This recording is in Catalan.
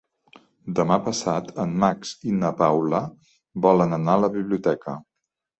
Demà passat en Max i na Paula volen anar a la biblioteca.